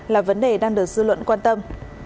là vấn đề đang được dư luận quan tâm